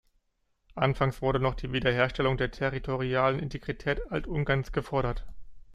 Anfangs wurde noch die Wiederherstellung der territorialen Integrität Alt-Ungarns gefordert.